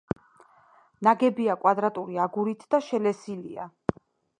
ნაგებია კვადრატული აგურით და შელესილია.